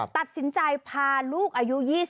ตัดสินใจพาลูกอายุ๒๐